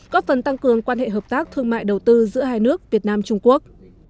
góp phần tăng cường quan hệ hợp tác thương mại đầu tư giữa hai nước việt nam trung quốc